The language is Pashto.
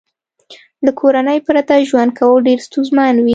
له کورنۍ پرته ژوند کول ډېر ستونزمن وي